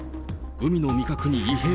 海の味覚に異変。